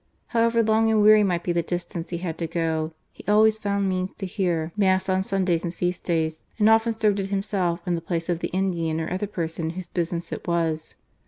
However THE TRUE CHRISTIAN. 275.: long and weary might be the distance he had to go, he always found means to hear Mass on Sundays and feast days, and often served it himself in the place of the Indian or other person whose business it was.